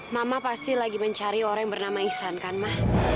mama pasti lagi mencari orang bernama isan kan ma